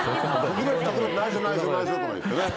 「内緒内緒内緒」とか言ってね。